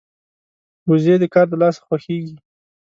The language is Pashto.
وزې د کار د لاسه خوښيږي